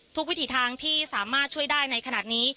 วิถีทางที่สามารถช่วยได้ในขณะนี้